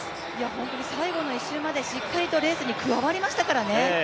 本当に最後の１周までしっかりとレースに加わりましたからね。